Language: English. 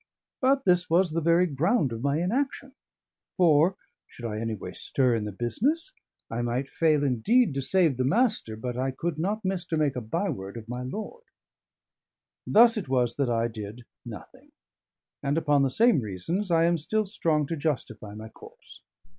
But this was the very ground of my inaction. For (should I anyway stir in the business) I might fail indeed to save the Master, but I could not miss to make a byword of my lord. Thus it was that I did nothing; and upon the same reasons, I am still strong to justify my course.